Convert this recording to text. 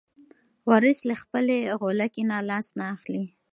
وارث له خپلې غولکې نه لاس نه اخلي.